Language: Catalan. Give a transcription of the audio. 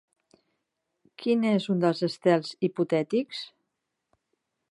Quin és un dels estels hipotètics?